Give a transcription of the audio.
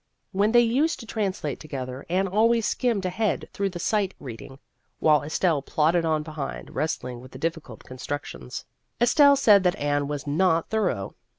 When they used to translate together, Anne always skimmed ahead through the sight reading, while Estelle plodded on behind, wrestling with the difficult constructions. Estelle said that Anne was not thorough.